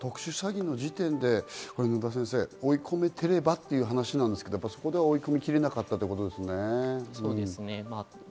特殊詐欺の時点で野田先生、追い込めてればっていう話なんですけど、そこで追い込み切れなかったんですね。